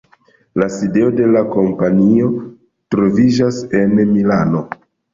La sidejo de la kompanio troviĝas en Milano.